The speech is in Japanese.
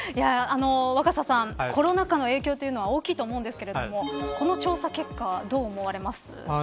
若狭さんコロナ禍の影響というのは大きいと思いますがこの調査結果どう思われますか。